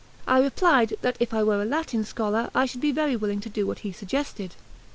I replied that if I were a Latin scholar I should be very willing to do what he suggested.